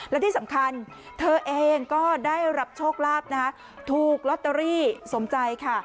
และที่สำคัญเธอเองก็ได้รับโชคลาภนะคะถูกลอตเตอรี่สมใจค่ะ